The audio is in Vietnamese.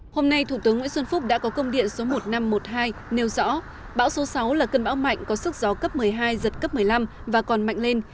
hôm nay thủ tướng nguyễn xuân phúc đã có công điện số một nghìn năm trăm một mươi hai nêu rõ bão số sáu là cơn bão mạnh có sức gió cấp một mươi hai giật cấp một mươi năm và còn mạnh lên